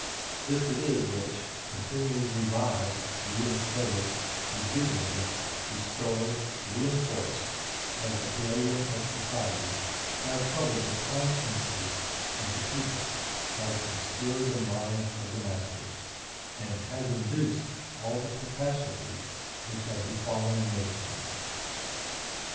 This it is which, continually revived, reinstated, rejuvenated, restored, re enforced as the palladium of society has troubled the consciences of the people, has obscured the minds of the masters, and has induced all the catastrophes which have befallen nations.